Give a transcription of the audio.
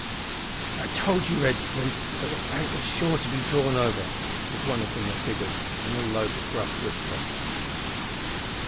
"I told you, redskin, that the plank would be sure to be drawn over," said one of the figures, in a low but gruff whisper.